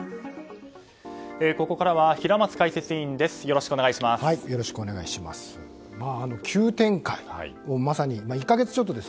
ここからは平松解説委員です。